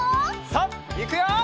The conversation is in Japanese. さあいくよ！